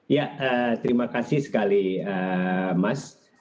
ya terima kasih sekali mas